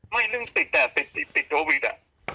ไม่เรื่องติดอ่ะติดโควิดอ่ะ